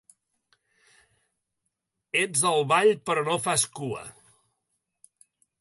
Ets al ball però no fas cua.